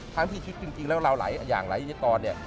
ทั้งที่ชีวิตจริงแล้วเราอย่างไรอย่างนี้ตอนเนี่ย